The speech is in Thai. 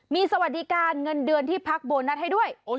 มีสวัสดิการเงินเดือนที่พักโบนัสให้ด้วย